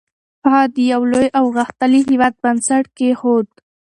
هغه د یو لوی او غښتلي هېواد بنسټ کېښود.